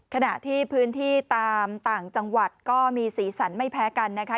ขณะที่พื้นที่ตามต่างจังหวัดก็มีสีสันไม่แพ้กันนะคะ